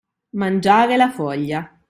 Mangiare la foglia.